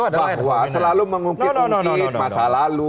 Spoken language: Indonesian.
bahwa selalu mengukir ukir masa lalu